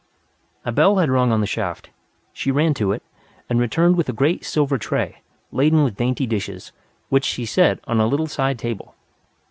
A bell had rung at the shaft. She ran to it, and returned with a great silver tray, laden with dainty dishes, which she set on a little side table.